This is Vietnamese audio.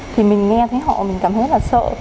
thì mình nghe thấy họ mình cảm thấy rất là sợ